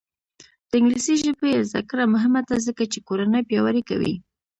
د انګلیسي ژبې زده کړه مهمه ده ځکه چې کورنۍ پیاوړې کوي.